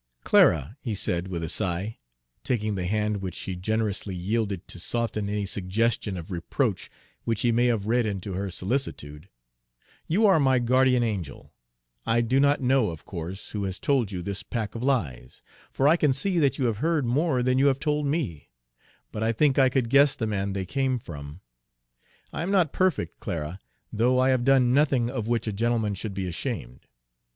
"Clara," he said with a sigh, taking the hand which she generously yielded to soften any suggestion of reproach which he may have read into her solicitude, "you are my guardian angel. I do not know, of course, who has told you this pack of lies, for I can see that you have heard more than you have told me, but I think I could guess the man they came from. I am not perfect, Clara, though I have done nothing of which a gentleman should be ashamed.